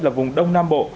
là vùng đông nam bộ